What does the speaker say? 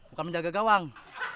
bukan menjaga gawang